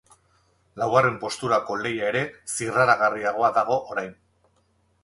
Laugarren posturako lehia ere zirraragarriagoa dago orain.